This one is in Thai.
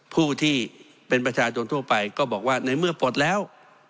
ผู้ที่เป็นประชาชนทั่วไปก็บอกว่าในเมื่อปลดแล้ว